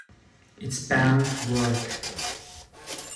It's bound to work.